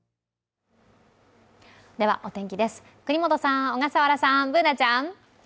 お天気です、國本さん、小笠原さん、Ｂｏｏｎａちゃん。